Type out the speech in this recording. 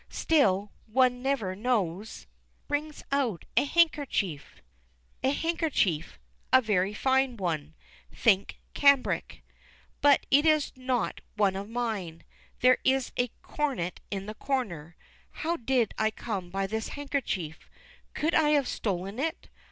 Still, one never knows [Brings out a handkerchief. A handkerchief a very fine one thin cambric. But it is not one of mine. There is a coronet in the corner. How did I come by this handkerchief? Could I have stolen it?